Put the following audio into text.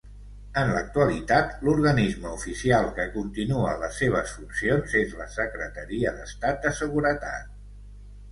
En l'actualitat, l'organisme oficial que continua les seves funcions és la Secretaria d'Estat de Seguretat.